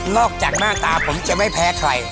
จากหน้าตาผมจะไม่แพ้ใคร